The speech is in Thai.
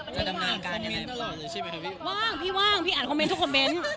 พี่ว่างพี่ว่างพี่อ่านคอมเม้นท์ทุกคอมเม้นท์